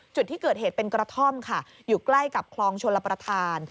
จุดที่เกิดเหตุเป็นกระท่อมค่ะอยู่ใกล้กับคลองชลประธาน